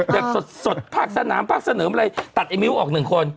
สดภาคสนามภาคเสนอมอะไรตัดไอ้มิ้วออกหนึ่งคน